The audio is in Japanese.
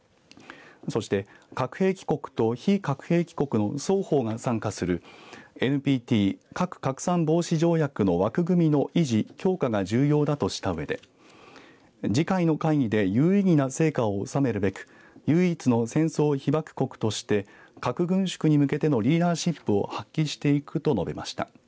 そして核兵器国と非核兵器国の双方が参加するＮＰＴ、核拡散防止条約の枠組みの維持、強化が重要だとしたうえで次回の会議で有意義な成果を収めるべく唯一の戦争被爆国として核軍縮に向けたリーダーシップを発揮していくと述べました。